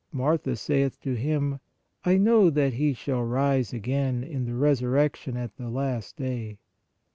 Martha saith to Him : I know that he shall rise again in the resurrection at the last day.